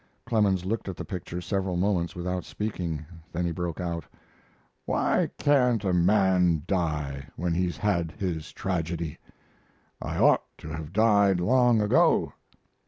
Clemens looked at the picture several moments without speaking. Then he broke out: "Why can't a man die when he's had his tragedy? I ought to have died long ago."